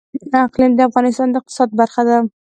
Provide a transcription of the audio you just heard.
اقلیم د افغانستان د اقتصاد برخه ده.